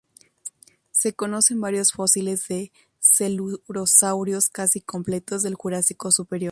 Se conocen varios fósiles de celurosaurios casi completos del Jurásico Superior.